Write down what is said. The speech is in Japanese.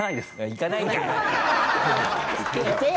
行かないんかい。